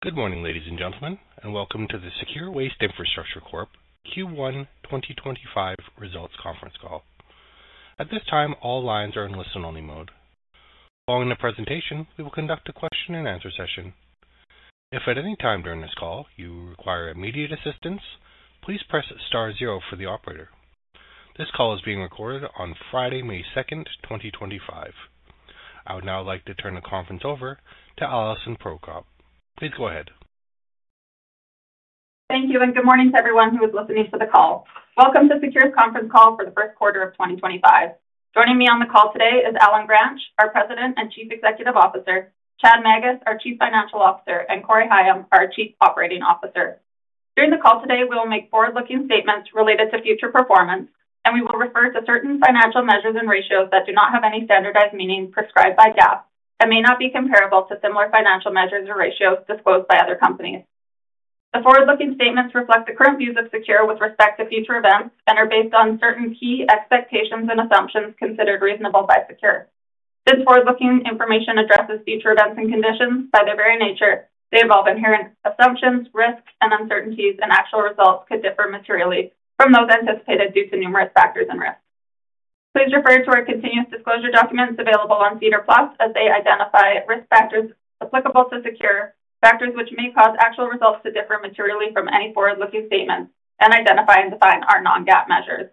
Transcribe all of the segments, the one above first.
Good morning, ladies and gentlemen, and welcome to the Secure Waste Infrastructure Corp Q1 2025 results conference call. At this time, all lines are in listen-only mode. Following the presentation, we will conduct a question-and-answer session. If at any time during this call you require immediate assistance, please press star zero for the operator. This call is being recorded on Friday, May 2, 2025. I would now like to turn the conference over to Alison Prokop. Please go ahead. Thank you, and good morning to everyone who is listening to the call. Welcome to Secure's Conference Call for the First Quarter of 2025. Joining me on the call today is Allen Gransch, our President and Chief Executive Officer, Chad Magus, our Chief Financial Officer, and Corey Higham, our Chief Operating Officer. During the call today, we will make forward-looking statements related to future performance, and we will refer to certain financial measures and ratios that do not have any standardized meaning prescribed by GAAP and may not be comparable to similar financial measures or ratios disclosed by other companies. The forward-looking statements reflect the current views of Secure with respect to future events and are based on certain key expectations and assumptions considered reasonable by Secure. This forward-looking information addresses future events and conditions by their very nature. They involve inherent assumptions, risks, and uncertainties, and actual results could differ materially from those anticipated due to numerous factors and risks. Please refer to our continuous disclosure documents available on SEDAR+ as they identify risk factors applicable to Secure, factors which may cause actual results to differ materially from any forward-looking statements, and identify and define our non-GAAP measures.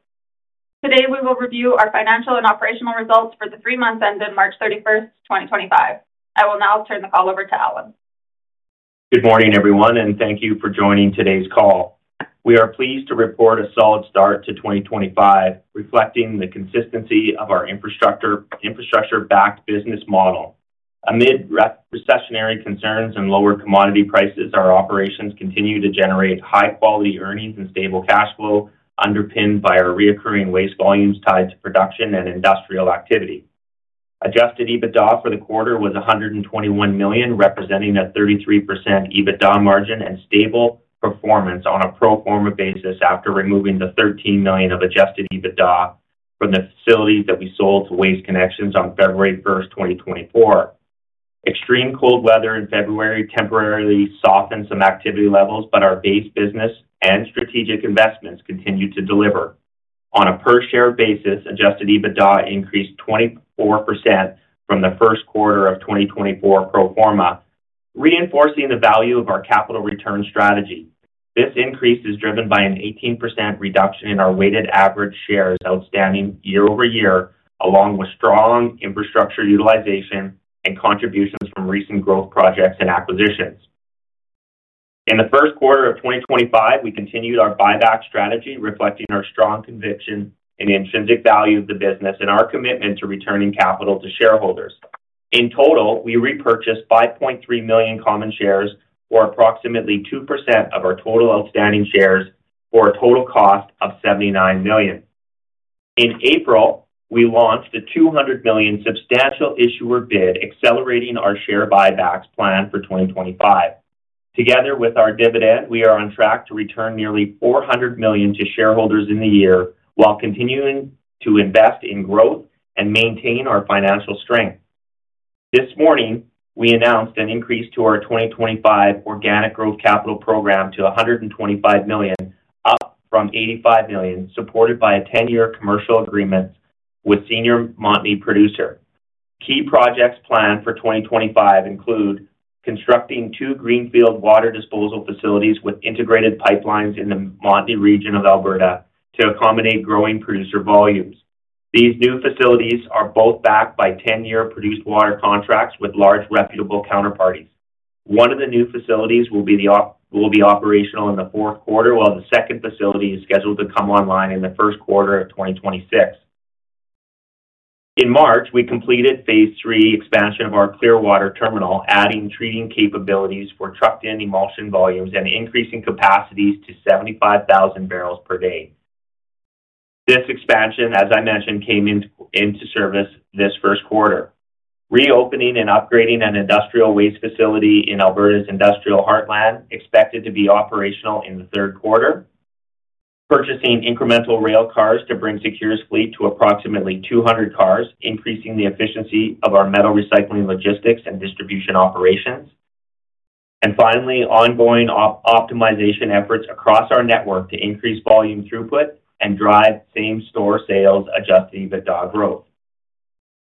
Today, we will review our financial and operational results for the three months ended March 31, 2025. I will now turn the call over to Allen. Good morning, everyone, and thank you for joining today's call. We are pleased to report a solid start to 2025, reflecting the consistency of our infrastructure-backed business model. Amid recessionary concerns and lower commodity prices, our operations continue to generate high-quality earnings and stable cash flow, underpinned by our recurring waste volumes tied to production and industrial activity. Adjusted EBITDA for the quarter was 121 million, representing a 33% EBITDA margin and stable performance on a pro forma basis after removing the 13 million of adjusted EBITDA from the facilities that we sold to Waste Connections on February 1, 2024. Extreme cold weather in February temporarily softened some activity levels, but our base business and strategic investments continued to deliver. On a per-share basis, adjusted EBITDA increased 24% from the first quarter of 2024 pro forma, reinforcing the value of our capital return strategy. This increase is driven by an 18% reduction in our weighted average shares outstanding year over year, along with strong infrastructure utilization and contributions from recent growth projects and acquisitions. In the first quarter of 2025, we continued our buyback strategy, reflecting our strong conviction in the intrinsic value of the business and our commitment to returning capital to shareholders. In total, we repurchased 5.3 million common shares, or approximately 2% of our total outstanding shares, for a total cost of 79 million. In April, we launched a 200 million substantial issuer bid, accelerating our share buybacks plan for 2025. Together with our dividend, we are on track to return nearly 400 million to shareholders in the year while continuing to invest in growth and maintain our financial strength. This morning, we announced an increase to our 2025 organic growth capital program to 125 million, up from 85 million, supported by a 10-year commercial agreement with senior Montney producer. Key projects planned for 2025 include constructing two greenfield water disposal facilities with integrated pipelines in the Montney region of Alberta to accommodate growing producer volumes. These new facilities are both backed by 10-year produced water contracts with large reputable counterparties. One of the new facilities will be operational in the fourth quarter, while the second facility is scheduled to come online in the first quarter of 2026. In March, we completed phase three expansion of our Clearwater terminal, adding treating capabilities for trucked-in emulsion volumes and increasing capacities to 75,000 barrels per day. This expansion, as I mentioned, came into service this first quarter. Reopening and upgrading an industrial waste facility in Alberta's industrial heartland is expected to be operational in the third quarter. Purchasing incremental rail cars to bring Secure's fleet to approximately 200 cars, increasing the efficiency of our metal recycling logistics and distribution operations. Finally, ongoing optimization efforts across our network to increase volume throughput and drive same-store sales adjusted EBITDA growth.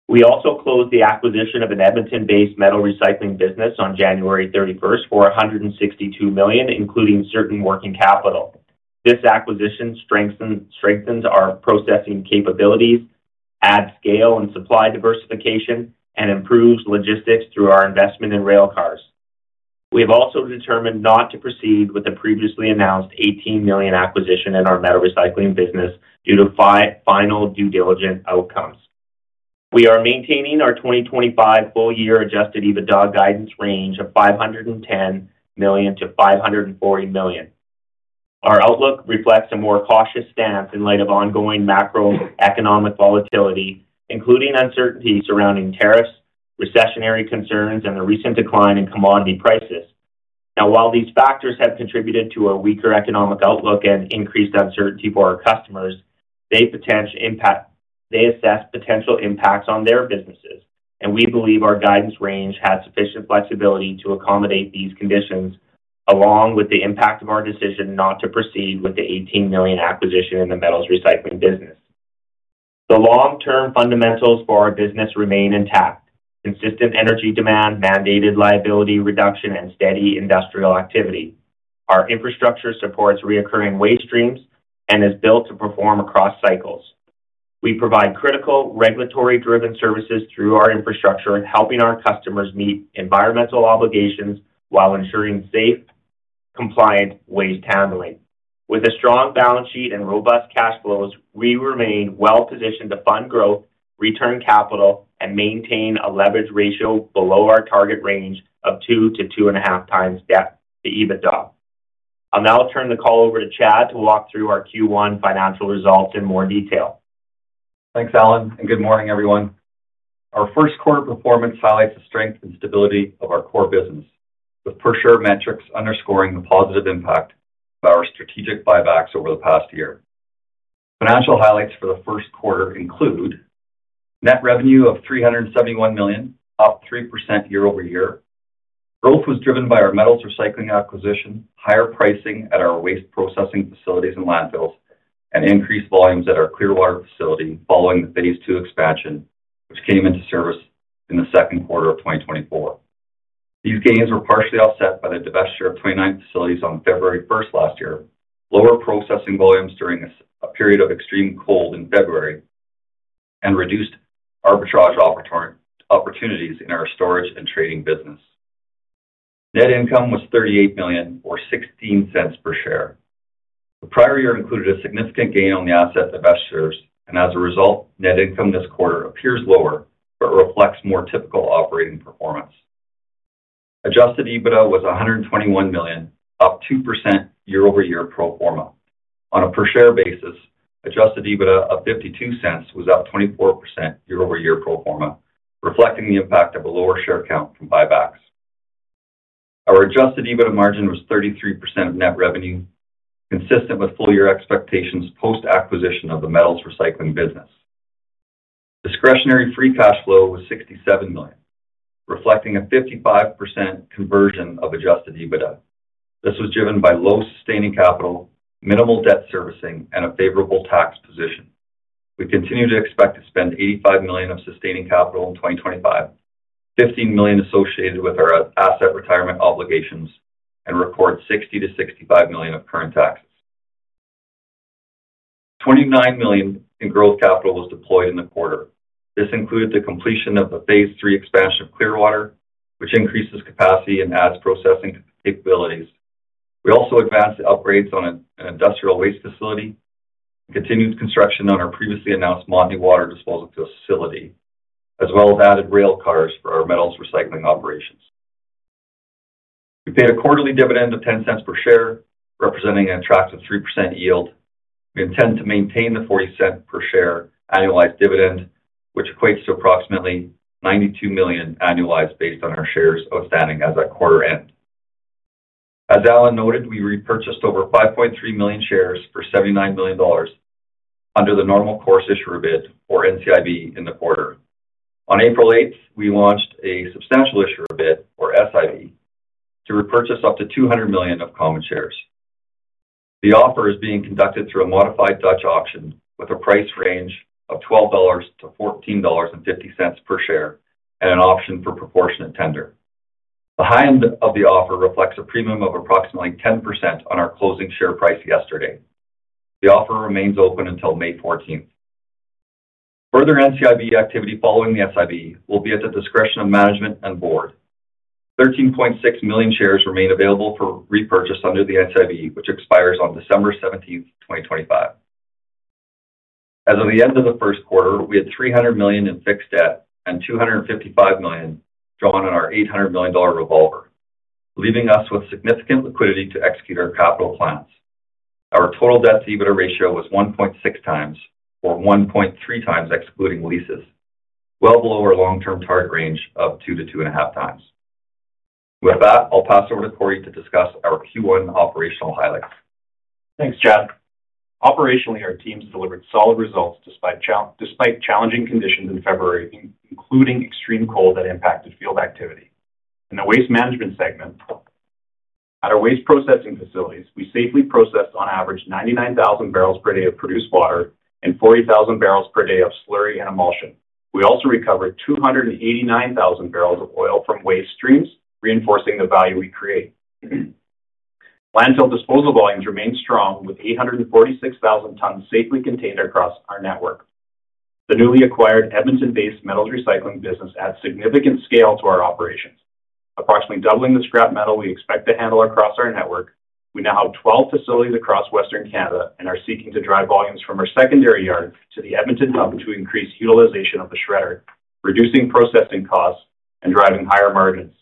We also closed the acquisition of an Edmonton-based metal recycling business on January 31 for 162 million, including certain working capital. This acquisition strengthens our processing capabilities, adds scale and supply diversification, and improves logistics through our investment in rail cars. We have also determined not to proceed with the previously announced 18 million acquisition in our metal recycling business due to final due diligence outcomes. We are maintaining our 2025 full-year adjusted EBITDA guidance `of 510 million-540 million. Our outlook reflects a more cautious stance in light of ongoing macroeconomic volatility, including uncertainty surrounding tariffs, recessionary concerns, and the recent decline in commodity prices. Now, while these factors have contributed to a weaker economic outlook and increased uncertainty for our customers, they assess potential impacts on their businesses, and we believe our guidance range has sufficient flexibility to accommodate these conditions, along with the impact of our decision not to proceed with the 18 million acquisition in the metals recycling business. The long-term fundamentals for our business remain intact: consistent energy demand, mandated liability reduction, and steady industrial activity. Our infrastructure supports reoccurring waste streams and is built to perform across cycles. We provide critical regulatory-driven services through our infrastructure, helping our customers meet environmental obligations while ensuring safe, compliant waste handling. With a strong balance sheet and robust cash flows, we remain well-positioned to fund growth, return capital, and maintain a leverage ratio below our target range of 2-2.5 times debt to EBITDA. I'll now turn the call over to Chad to walk through our Q1 financial results in more detail. Thanks, Allen, and good morning, everyone. Our first quarter performance highlights the strength and stability of our core business, with per-share metrics underscoring the positive impact of our strategic buybacks over the past year. Financial highlights for the first quarter include net revenue of 371 million, up 3% year over year. Growth was driven by our metals recycling acquisition, higher pricing at our waste processing facilities and landfills, and increased volumes at our Clearwater facility following the phase two expansion, which came into service in the second quarter of 2024. These gains were partially offset by the divestiture of 29 facilities on February 1 last year, lower processing volumes during a period of extreme cold in February, and reduced arbitrage opportunities in our storage and trading business. Net income was 38 million, or 0.16 per share. The prior year included a significant gain on the asset divestitures, and as a result, net income this quarter appears lower but reflects more typical operating performance. Adjusted EBITDA was 121 million, up 2% year over year pro forma. On a per-share basis, adjusted EBITDA of 0.52 was up 24% year over year pro forma, reflecting the impact of a lower share count from buybacks. Our adjusted EBITDA margin was 33% of net revenue, consistent with full-year expectations post-acquisition of the metals recycling business. Discretionary free cash flow was CAD 67 million, reflecting a 55% conversion of adjusted EBITDA. This was driven by low sustaining capital, minimal debt servicing, and a favorable tax position. We continue to expect to spend 85 million of sustaining capital in 2025, 15 million associated with our asset retirement obligations, and record 60-65 million of current taxes. 29 million in growth capital was deployed in the quarter. This included the completion of the phase three expansion of Clearwater, which increased its capacity and adds processing capabilities. We also advanced the upgrades on an industrial waste facility, continued construction on our previously announced Montney water disposal facility, as well as added rail cars for our metals recycling operations. We paid a quarterly dividend of 0.10 per share, representing an attractive 3% yield. We intend to maintain the 0.40 per share annualized dividend, which equates to approximately 92 million annualized based on our shares outstanding as of quarter end. As Allen noted, we repurchased over 5.3 million shares for 79 million dollars under the normal course issuer bid, or NCIB, in the quarter. On April 8, we launched a substantial issuer bid, or SIB, to repurchase up to 200 million of common shares. The offer is being conducted through a modified Dutch auction with a price range of 12 dollars to 14.50 dollars per share and an option for proportionate tender. The high end of the offer reflects a premium of approximately 10% on our closing share price yesterday. The offer remains open until May 14th. Further NCIB activity following the SIB will be at the discretion of management and board. 13.6 million shares remain available for repurchase under the NCIB, which expires on December 17th, 2025. As of the end of the first quarter, we had 300 million in fixed debt and 255 million drawn on our 800 million dollar revolver, leaving us with significant liquidity to execute our capital plans. Our total debt-to-EBITDA ratio was 1.6 times, or 1.3 times excluding leases, well below our long-term target range of 2-2.5 times. With that, I'll pass over to Corey to discuss our Q1 operational highlights. Thanks, Chad. Operationally, our teams delivered solid results despite challenging conditions in February, including extreme cold that impacted field activity. In the waste management segment, at our waste processing facilities, we safely processed on average 99,000 barrels per day of produced water and 40,000 barrels per day of slurry and emulsion. We also recovered 289,000 barrels of oil from waste streams, reinforcing the value we create. Landfill disposal volumes remained strong, with 846,000 tons safely contained across our network. The newly acquired Edmonton-based metals recycling business adds significant scale to our operations, approximately doubling the scrap metal we expect to handle across our network. We now have 12 facilities across western Canada and are seeking to drive volumes from our secondary yard to the Edmonton hub to increase utilization of the shredder, reducing processing costs and driving higher margins.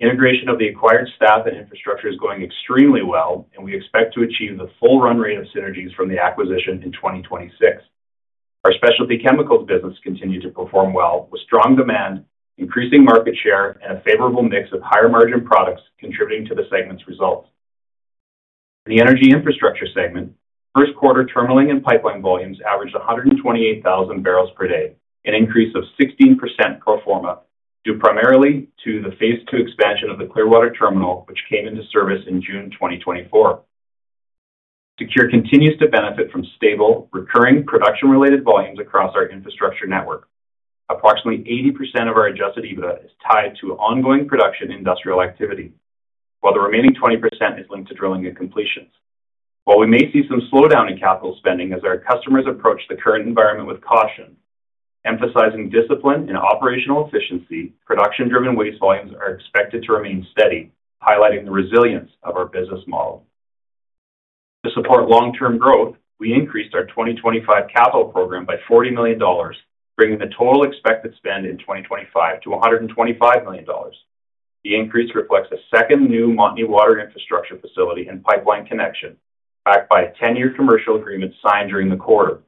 Integration of the acquired staff and infrastructure is going extremely well, and we expect to achieve the full run rate of synergies from the acquisition in 2026. Our specialty chemicals business continued to perform well, with strong demand, increasing market share, and a favorable mix of higher margin products contributing to the segment's results. In the energy infrastructure segment, first quarter terminaling and pipeline volumes averaged 128,000 barrels per day, an increase of 16% pro forma, due primarily to the phase two expansion of the Clearwater terminal, which came into service in June 2024. Secure continues to benefit from stable, recurring production-related volumes across our infrastructure network. Approximately 80% of our adjusted EBITDA is tied to ongoing production industrial activity, while the remaining 20% is linked to drilling and completions. While we may see some slowdown in capital spending as our customers approach the current environment with caution, emphasizing discipline and operational efficiency, production-driven waste volumes are expected to remain steady, highlighting the resilience of our business model. To support long-term growth, we increased our 2025 capital program by 40 million dollars, bringing the total expected spend in 2025 to 125 million dollars. The increase reflects a second new Montney water infrastructure facility and pipeline connection, backed by a 10-year commercial agreement signed during the quarter.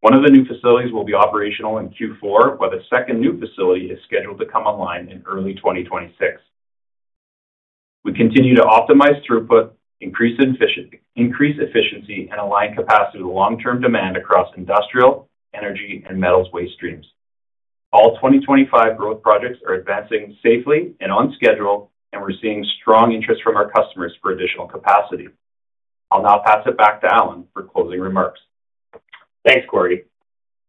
One of the new facilities will be operational in Q4, while the second new facility is scheduled to come online in early 2026. We continue to optimize throughput, increase efficiency, and align capacity with long-term demand across industrial, energy, and metals waste streams. All 2025 growth projects are advancing safely and on schedule, and we're seeing strong interest from our customers for additional capacity. I'll now pass it back to Allen for closing remarks. Thanks, Corey.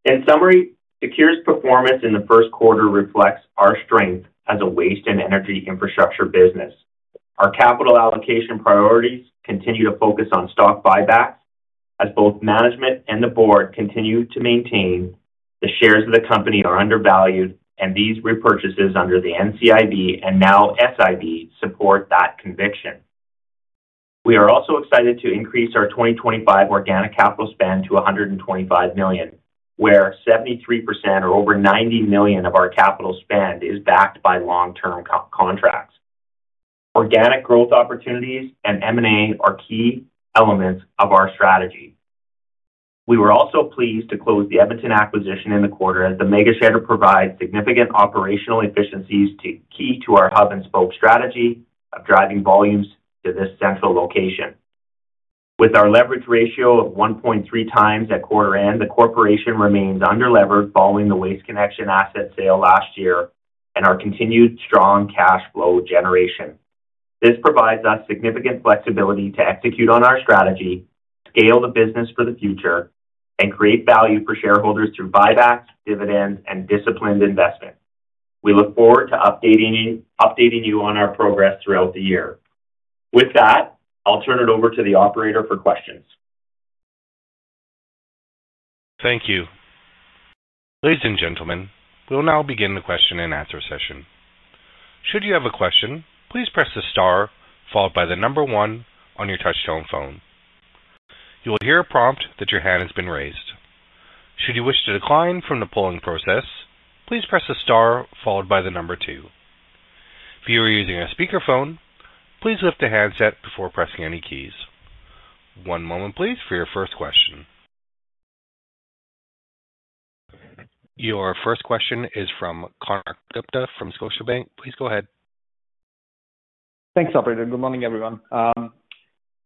In summary, Secure's performance in the first quarter reflects our strength as a waste and energy infrastructure business. Our capital allocation priorities continue to focus on stock buybacks, as both management and the board continue to maintain the shares of the company are undervalued, and these repurchases under the NCIB and now SIB support that conviction. We are also excited to increase our 2025 organic capital spend to 125 million, where 73% or over 90 million of our capital spend is backed by long-term contracts. Organic growth opportunities and M&A are key elements of our strategy. We were also pleased to close the Edmonton acquisition in the quarter as the mega shredder provides significant operational efficiencies key to our hub and spoke strategy of driving volumes to this central location. With our leverage ratio of 1.3 times at quarter end, the corporation remains underlevered following the Waste Connections asset sale last year and our continued strong cash flow generation. This provides us significant flexibility to execute on our strategy, scale the business for the future, and create value for shareholders through buybacks, dividends, and disciplined investment. We look forward to updating you on our progress throughout the year. With that, I'll turn it over to the operator for questions. Thank you. Ladies and gentlemen, we'll now begin the question and answer session. Should you have a question, please press the star followed by the number one on your touchstone phone. You will hear a prompt that your hand has been raised. Should you wish to decline from the polling process, please press the star followed by the number two. If you are using a speakerphone, please lift the handset before pressing any keys. One moment, please, for your first question. Your first question is from Konark Gupta from Scotiabank. Please go ahead. Thanks, Alberto. Good morning, everyone.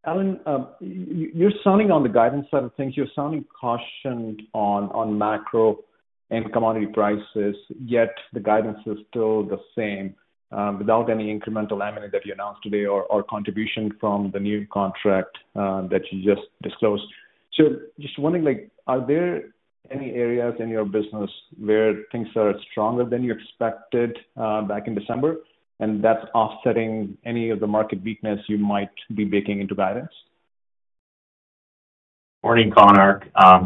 Allen, you're sounding on the guidance side of things. You're sounding cautioned on macro and commodity prices, yet the guidance is still the same without any incremental amenity that you announced today or contribution from the new contract that you just disclosed. Just wondering, are there any areas in your business where things are stronger than you expected back in December, and that's offsetting any of the market weakness you might be baking into guidance? Morning, Konark.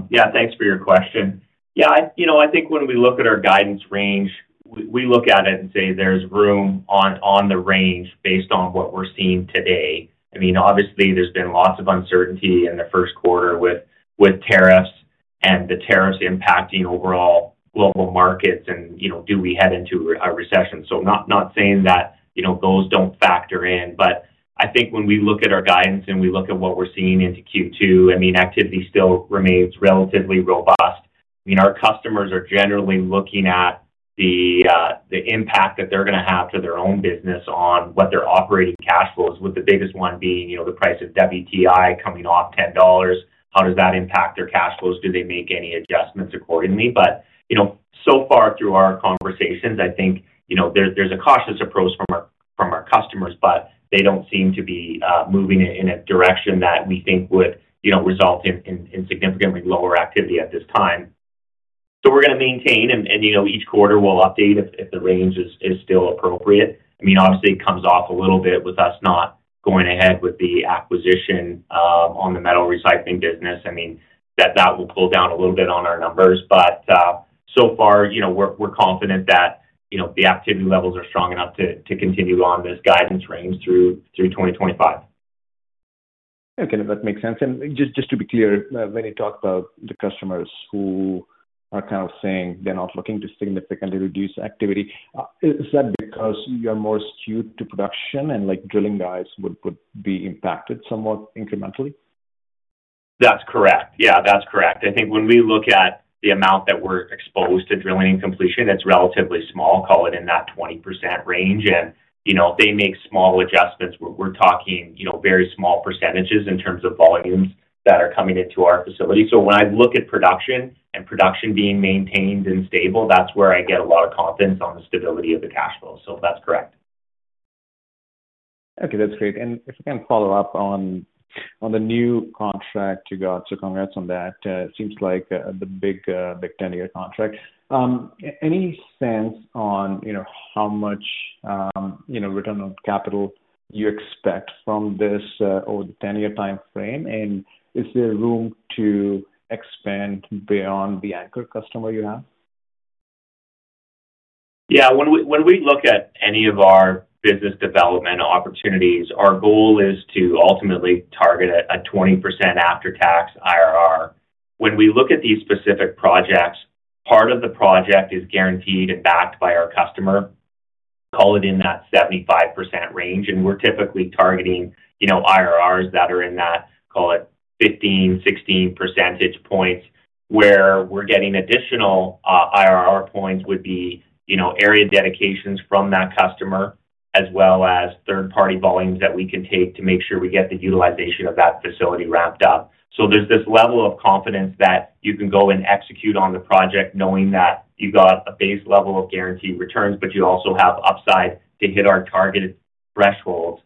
Yeah, thanks for your question. Yeah, I think when we look at our guidance range, we look at it and say there's room on the range based on what we're seeing today. I mean, obviously, there's been lots of uncertainty in the first quarter with tariffs and the tariffs impacting overall global markets and do we head into a recession. Not saying that those don't factor in, but I think when we look at our guidance and we look at what we're seeing into Q2, I mean, activity still remains relatively robust. I mean, our customers are generally looking at the impact that they're going to have to their own business on what their operating cash flow is, with the biggest one being the price of WTI coming off $10. How does that impact their cash flows? Do they make any adjustments accordingly? So far through our conversations, I think there's a cautious approach from our customers, but they don't seem to be moving in a direction that we think would result in significantly lower activity at this time. We're going to maintain, and each quarter we'll update if the range is still appropriate. I mean, obviously, it comes off a little bit with us not going ahead with the acquisition on the metal recycling business. I mean, that will pull down a little bit on our numbers, but so far we're confident that the activity levels are strong enough to continue on this guidance range through 2025. Okay, that makes sense. Just to be clear, when you talk about the customers who are kind of saying they're not looking to significantly reduce activity, is that because you're more skewed to production and drilling guys would be impacted somewhat incrementally? That's correct. Yeah, that's correct. I think when we look at the amount that we're exposed to drilling and completion, it's relatively small, call it in that 20% range. If they make small adjustments, we're talking very small percentages in terms of volumes that are coming into our facility. When I look at production and production being maintained and stable, that's where I get a lot of confidence on the stability of the cash flow. That's correct. Okay, that's great. If I can follow up on the new contract you got, congrats on that. It seems like the big 10-year contract. Any sense on how much return on capital you expect from this over the 10-year time frame? Is there room to expand beyond the anchor customer you have? Yeah, when we look at any of our business development opportunities, our goal is to ultimately target a 20% after-tax IRR. When we look at these specific projects, part of the project is guaranteed and backed by our customer, call it in that 75% range. And we're typically targeting IRRs that are in that, call it 15, 16 percentage points where we're getting additional IRR points would be area dedications from that customer as well as third-party volumes that we can take to make sure we get the utilization of that facility wrapped up. There is this level of confidence that you can go and execute on the project knowing that you got a base level of guaranteed returns, but you also have upside to hit our targeted thresholds.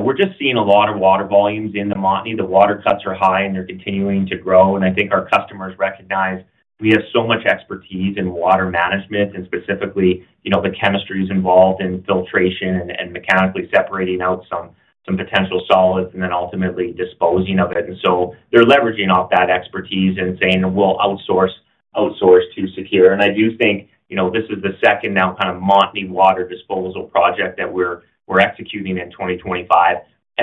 We're just seeing a lot of water volumes in the Montney. The water cuts are high and they're continuing to grow. I think our customers recognize we have so much expertise in water management and specifically the chemistries involved in filtration and mechanically separating out some potential solids and then ultimately disposing of it. They're leveraging off that expertise and saying, "We'll outsource. Outsource to Secure." I do think this is the second now kind of Montney water disposal project that we're executing in 2025.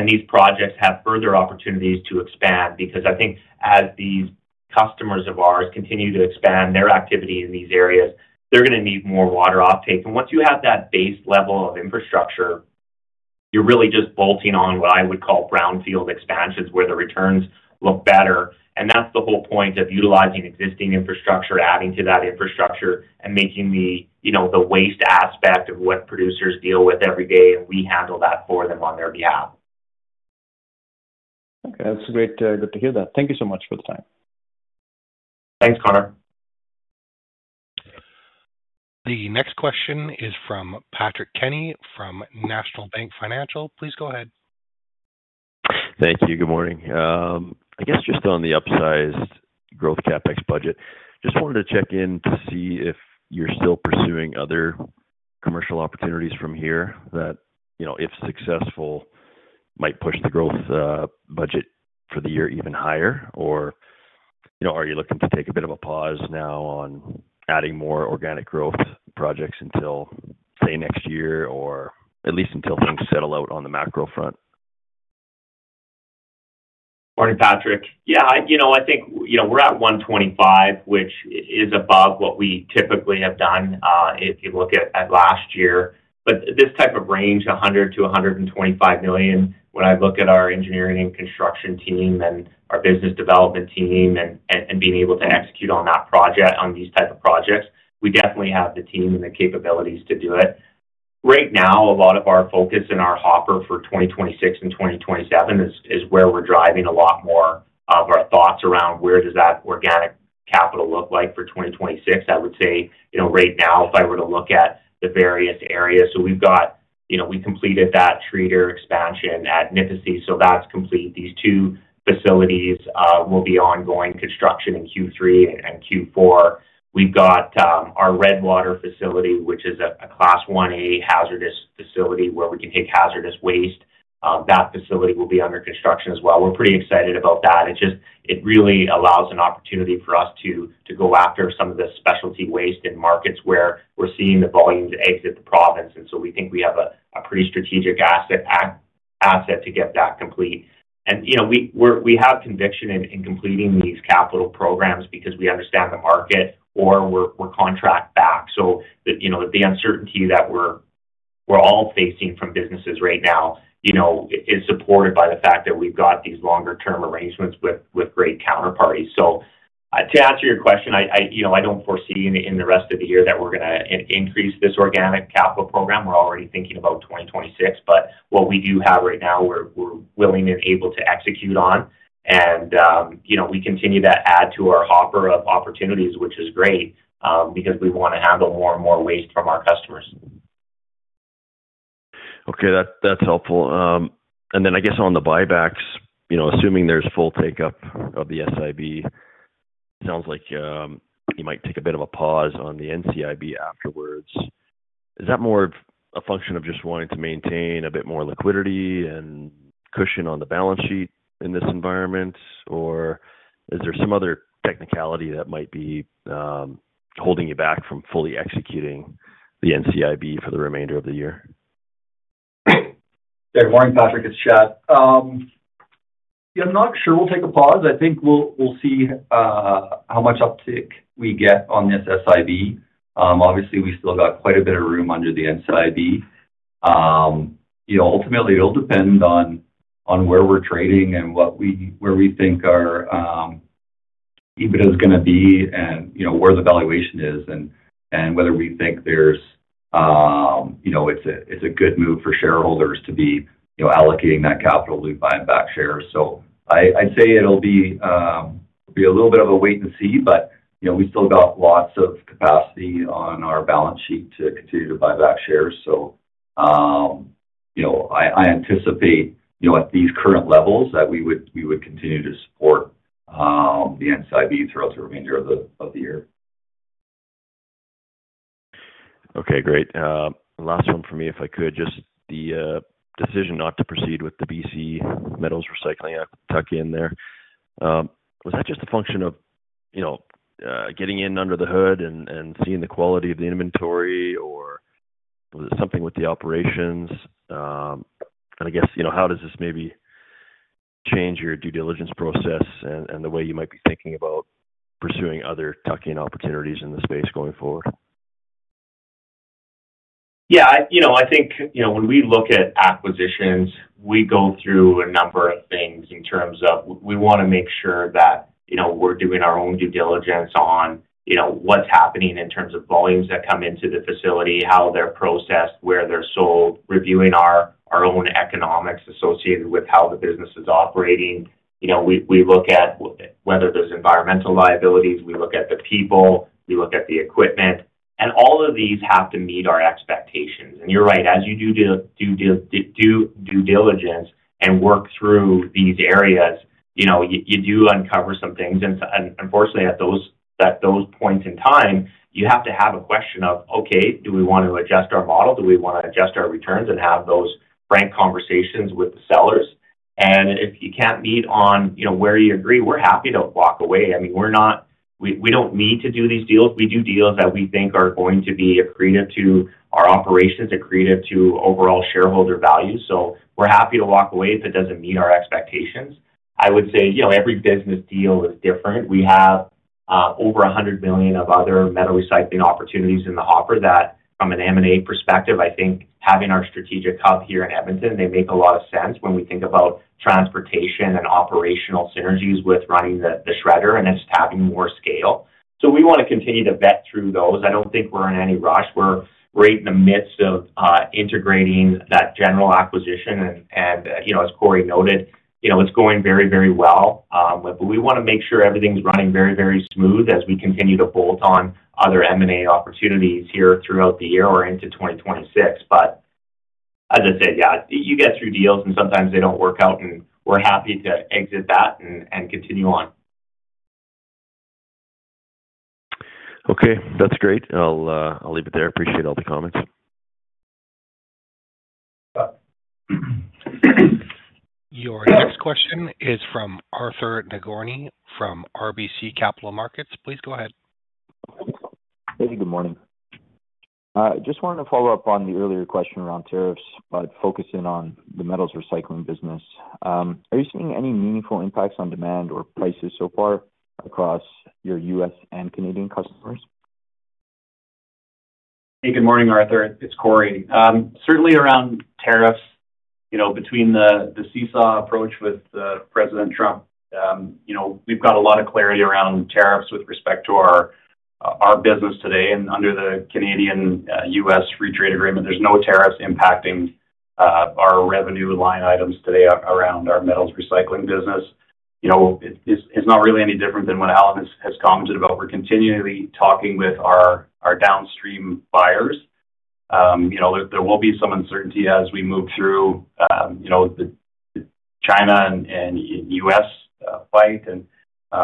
These projects have further opportunities to expand because I think as these customers of ours continue to expand their activity in these areas, they're going to need more water offtake. Once you have that base level of infrastructure, you're really just bolting on what I would call brownfield expansions where the returns look better. That's the whole point of utilizing existing infrastructure, adding to that infrastructure, and making the waste aspect of what producers deal with every day. We handle that for them on their behalf. Okay, that's great to hear that. Thank you so much for the time. Thanks, Konark. The next question is from Patrick Kenney from National Bank Financial. Please go ahead. Thank you. Good morning. I guess just on the upsized growth CapEx budget, just wanted to check in to see if you're still pursuing other commercial opportunities from here that, if successful, might push the growth budget for the year even higher. Are you looking to take a bit of a pause now on adding more organic growth projects until, say, next year or at least until things settle out on the macro front? Morning, Patrick. Yeah, I think we're at 125, which is above what we typically have done if you look at last year. This type of range, 100 million-125 million, when I look at our engineering and construction team and our business development team and being able to execute on that project, on these type of projects, we definitely have the team and the capabilities to do it. Right now, a lot of our focus and our hopper for 2026 and 2027 is where we're driving a lot more of our thoughts around where does that organic capital look like for 2026. I would say right now, if I were to look at the various areas, so we've got we completed that treater expansion at Nipisi, so that's complete. These two facilities will be ongoing construction in Q3 and Q4. We've got our Redwater facility, which is a class 1A hazardous facility where we can take hazardous waste. That facility will be under construction as well. We're pretty excited about that. It really allows an opportunity for us to go after some of the specialty waste in markets where we're seeing the volumes exit the province. We think we have a pretty strategic asset to get that complete. We have conviction in completing these capital programs because we understand the market or we're contract back. The uncertainty that we're all facing from businesses right now is supported by the fact that we've got these longer-term arrangements with great counterparties. To answer your question, I don't foresee in the rest of the year that we're going to increase this organic capital program. We're already thinking about 2026, but what we do have right now, we're willing and able to execute on. We continue to add to our hopper of opportunities, which is great because we want to handle more and more waste from our customers. Okay, that's helpful. I guess on the buybacks, assuming there's full take-up of the SIB, it sounds like you might take a bit of a pause on the NCIB afterwards. Is that more a function of just wanting to maintain a bit more liquidity and cushion on the balance sheet in this environment, or is there some other technicality that might be holding you back from fully executing the NCIB for the remainder of the year? Good morning, Patrick. It's Chad. I'm not sure we'll take a pause. I think we'll see how much uptake we get on this SIB. Obviously, we still got quite a bit of room under the NCIB. Ultimately, it'll depend on where we're trading and where we think our EBITDA is going to be and where the valuation is and whether we think it's a good move for shareholders to be allocating that capital to buying back shares. I'd say it'll be a little bit of a wait and see, but we still got lots of capacity on our balance sheet to continue to buy back shares. I anticipate at these current levels that we would continue to support the NCIB throughout the remainder of the year. Okay, great. Last one for me, if I could, just the decision not to proceed with the ABC Recycling out of Kentucky in there. Was that just a function of getting in under the hood and seeing the quality of the inventory, or was it something with the operations? I guess how does this maybe change your due diligence process and the way you might be thinking about pursuing other tuck-in opportunities in the space going forward? Yeah, I think when we look at acquisitions, we go through a number of things in terms of we want to make sure that we're doing our own due diligence on what's happening in terms of volumes that come into the facility, how they're processed, where they're sold, reviewing our own economics associated with how the business is operating. We look at whether there's environmental liabilities. We look at the people. We look at the equipment. All of these have to meet our expectations. You're right. As you do due diligence and work through these areas, you do uncover some things. Unfortunately, at those points in time, you have to have a question of, "Okay, do we want to adjust our model? Do we want to adjust our returns and have those frank conversations with the sellers? If you can't meet on where you agree, we're happy to walk away. I mean, we don't need to do these deals. We do deals that we think are going to be accretive to our operations, accretive to overall shareholder value. We're happy to walk away if it doesn't meet our expectations. I would say every business deal is different. We have over 100 million of other metal recycling opportunities in the hopper that, from an M&A perspective, I think having our strategic hub here in Edmonton, they make a lot of sense when we think about transportation and operational synergies with running the shredder and just having more scale. We want to continue to vet through those. I don't think we're in any rush. We're right in the midst of integrating that General acquisition. As Corey noted, it's going very, very well. We want to make sure everything's running very, very smooth as we continue to bolt on other M&A opportunities here throughout the year or into 2026. As I said, yeah, you get through deals and sometimes they don't work out, and we're happy to exit that and continue on. Okay, that's great. I'll leave it there. Appreciate all the comments. Your next question is from Arthur Nagorny from RBC Capital Markets. Please go ahead. Hey, good morning. Just wanted to follow up on the earlier question around tariffs, but focusing on the metals recycling business. Are you seeing any meaningful impacts on demand or prices so far across your US and Canadian customers? Hey, good morning, Arthur. It's Corey. Certainly around tariffs, between the CUSMA approach with President Trump, we've got a lot of clarity around tariffs with respect to our business today. Under the Canadian-U.S. Free Trade Agreement, there's no tariffs impacting our revenue line items today around our metals recycling business. It's not really any different than what Allen has commented about. We're continually talking with our downstream buyers. There will be some uncertainty as we move through the China and U.S. fight.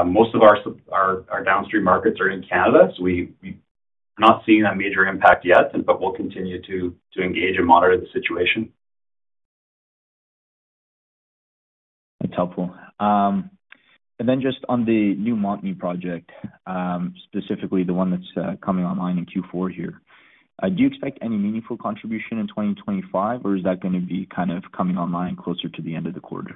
Most of our downstream markets are in Canada, so we're not seeing a major impact yet, but we'll continue to engage and monitor the situation. That's helpful. Just on the new Montney project, specifically the one that's coming online in Q4 here, do you expect any meaningful contribution in 2025, or is that going to be kind of coming online closer to the end of the quarter?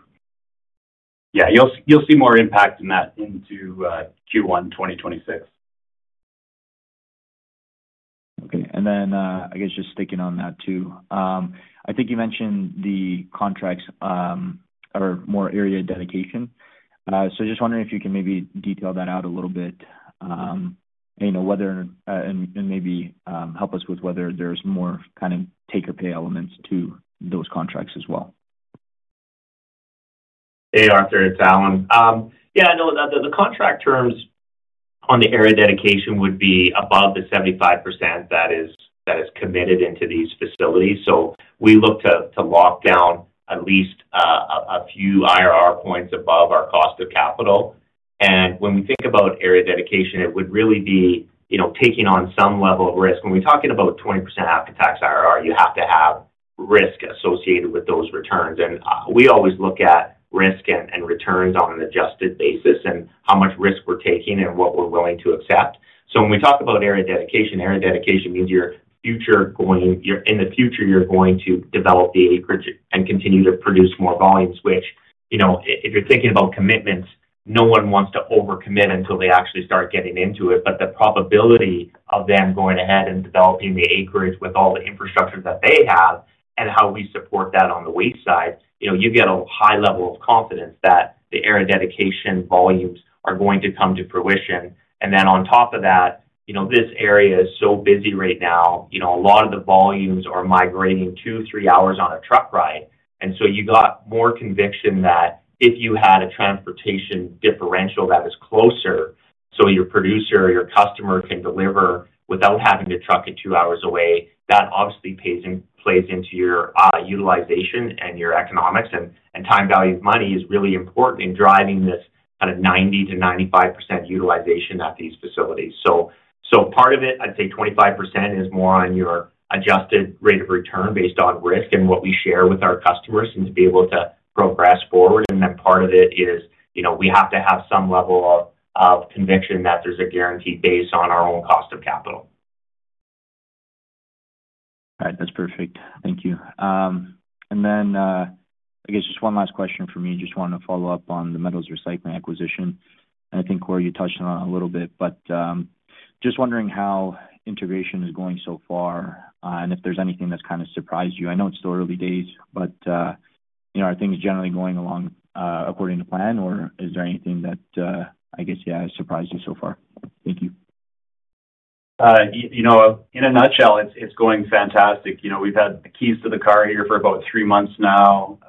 Yeah, you'll see more impact in that into Q1 2026. Okay. I guess just sticking on that too, I think you mentioned the contracts are more area dedication. Just wondering if you can maybe detail that out a little bit and maybe help us with whether there's more kind of take-or-pay elements to those contracts as well. Hey, Arthur, it's Allen. Yeah, no, the contract terms on the area dedication would be above the 75% that is committed into these facilities. We look to lock down at least a few IRR points above our cost of capital. When we think about area dedication, it would really be taking on some level of risk. When we're talking about 20% after-tax IRR, you have to have risk associated with those returns. We always look at risk and returns on an adjusted basis and how much risk we're taking and what we're willing to accept. When we talk about area dedication, area dedication means you're in the future, you're going to develop the acreage and continue to produce more volumes, which if you're thinking about commitments, no one wants to overcommit until they actually start getting into it. The probability of them going ahead and developing the acreage with all the infrastructure that they have and how we support that on the waste side, you get a high level of confidence that the area dedication volumes are going to come to fruition. On top of that, this area is so busy right now. A lot of the volumes are migrating two, three hours on a truck ride. You got more conviction that if you had a transportation differential that is closer so your producer or your customer can deliver without having to truck it two hours away, that obviously plays into your utilization and your economics. Time value of money is really important in driving this kind of 90%-95% utilization at these facilities. Part of it, I'd say 25% is more on your adjusted rate of return based on risk and what we share with our customers and to be able to progress forward. And then part of it is we have to have some level of conviction that there's a guarantee based on our own cost of capital. All right. That's perfect. Thank you. I guess just one last question for me. Just wanted to follow up on the metals recycling acquisition. I think Corey, you touched on it a little bit, but just wondering how integration is going so far and if there's anything that's kind of surprised you. I know it's still early days, but are things generally going along according to plan, or is there anything that I guess, yeah, has surprised you so far? Thank you. In a nutshell, it's going fantastic. We've had the keys to the car here for about three months now.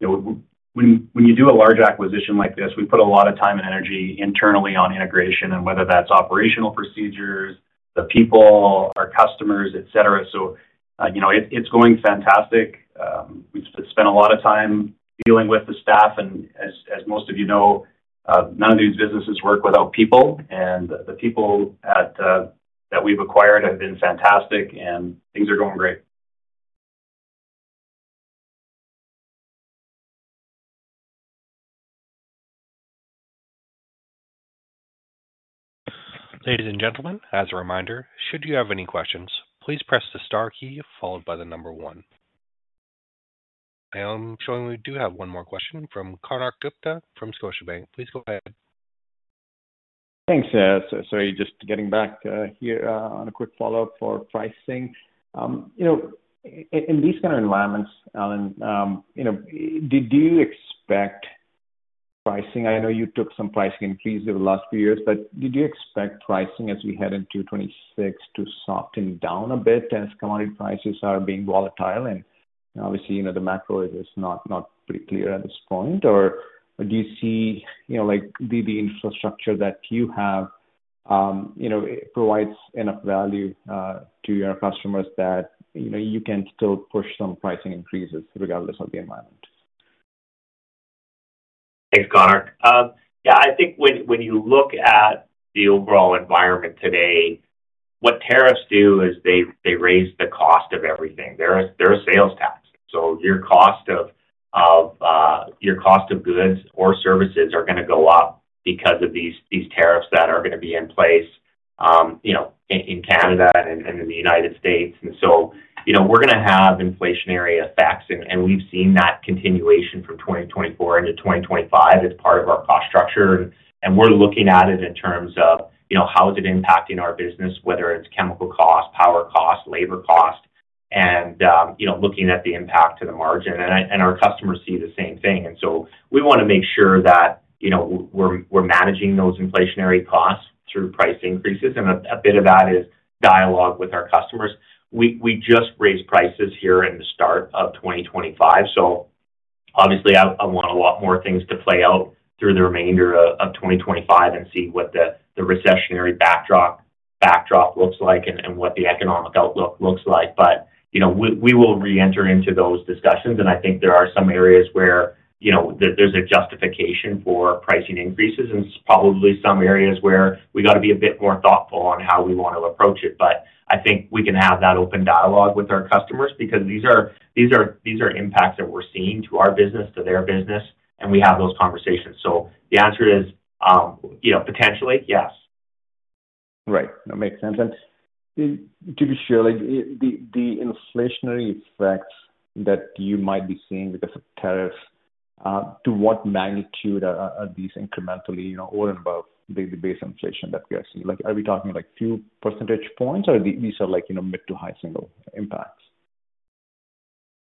When you do a large acquisition like this, we put a lot of time and energy internally on integration and whether that's operational procedures, the people, our customers, etc. It's going fantastic. We've spent a lot of time dealing with the staff. As most of you know, none of these businesses work without people. The people that we've acquired have been fantastic, and things are going great. Ladies and gentlemen, as a reminder, should you have any questions, please press the star key followed by the number one. I am showing we do have one more question from Konark Gupta from Scotiabank. Please go ahead. Thanks. Sorry, just getting back here on a quick follow-up for pricing. In these kind of environments, Allen, did you expect pricing? I know you took some pricing increase over the last few years, but did you expect pricing as we head into 2026 to soften down a bit as commodity prices are being volatile? Obviously, the macro is not pretty clear at this point. Do you see the infrastructure that you have provides enough value to your customers that you can still push some pricing increases regardless of the environment? Thanks, Konark. Yeah, I think when you look at the overall environment today, what tariffs do is they raise the cost of everything. They're a sales tax. Your cost of goods or services are going to go up because of these tariffs that are going to be in place in Canada and in the United States. We are going to have inflationary effects. We have seen that continuation from 2024 into 2025 as part of our cost structure. We are looking at it in terms of how it is impacting our business, whether it is chemical cost, power cost, labor cost, and looking at the impact to the margin. Our customers see the same thing. We want to make sure that we are managing those inflationary costs through price increases. A bit of that is dialogue with our customers. We just raised prices here in the start of 2025. Obviously, I want a lot more things to play out through the remainder of 2025 and see what the recessionary backdrop looks like and what the economic outlook looks like. We will re-enter into those discussions. I think there are some areas where there's a justification for pricing increases. It's probably some areas where we got to be a bit more thoughtful on how we want to approach it. I think we can have that open dialogue with our customers because these are impacts that we're seeing to our business, to their business, and we have those conversations. The answer is potentially, yes. Right. That makes sense. To be sure, the inflationary effects that you might be seeing with the tariffs, to what magnitude are these incrementally or above the base inflation that we are seeing? Are we talking a few percentage points, or these are mid to high single impacts?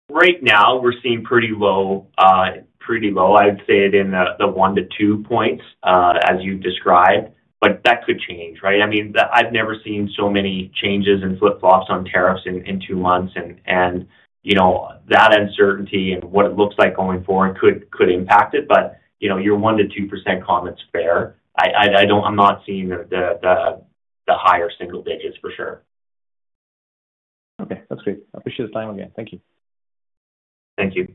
Right now, we're seeing pretty low. I'd say it in the one to two points as you've described, but that could change, right? I mean, I've never seen so many changes and flip-flops on tariffs in two months. That uncertainty and what it looks like going forward could impact it. Your 1%-2% comment's fair. I'm not seeing the higher single digits for sure. Okay. That's great. Appreciate the time again. Thank you. Thank you.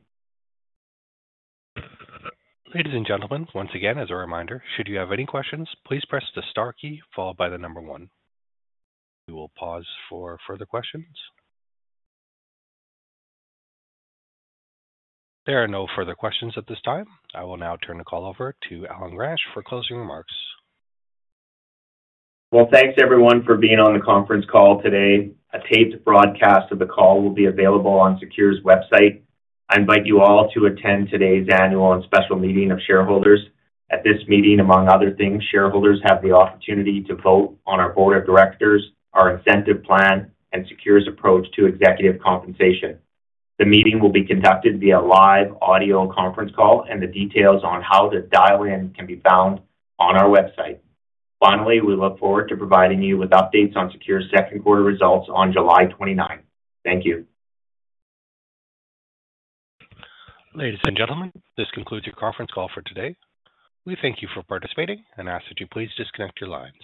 Ladies and gentlemen, once again, as a reminder, should you have any questions, please press the star key followed by the number one. We will pause for further questions. There are no further questions at this time. I will now turn the call over to Allen Gransch for closing remarks. Thanks, everyone, for being on the conference call today. A taped broadcast of the call will be available on Secure's website. I invite you all to attend today's annual and special meeting of shareholders. At this meeting, among other things, shareholders have the opportunity to vote on our board of directors, our incentive plan, and Secure's approach to executive compensation. The meeting will be conducted via live audio conference call, and the details on how to dial in can be found on our website. Finally, we look forward to providing you with updates on Secure's second quarter results on July 29th. Thank you. Ladies and gentlemen, this concludes your conference call for today. We thank you for participating and ask that you please disconnect your lines.